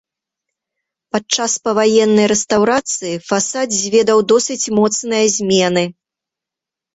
Падчас паваеннай рэстаўрацыі фасад зведаў досыць моцныя змены.